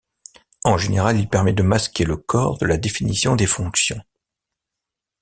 En général, il permet de masquer le corps de la définition des fonctions.